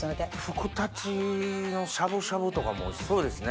ふくたちのしゃぶしゃぶとかもおいしそうですね。